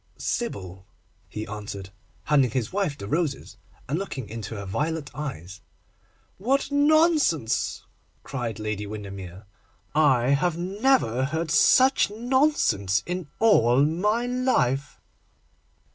'Sybil,' he answered, handing his wife the roses, and looking into her violet eyes. 'What nonsense!' cried Lady Windermere. 'I never heard such nonsense in all my life.